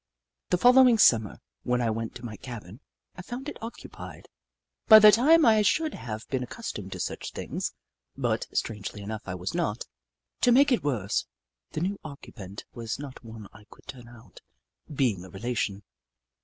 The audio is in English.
The following Summer, when I went to my cabin, I found it occupied. By this time I should have been accustomed to such things, but, strangely enough, I was not. To make it worse, the new occupant was not one I could turn out, being a relation.